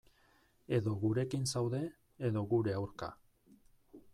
Edo gurekin zaude, edo gure aurka.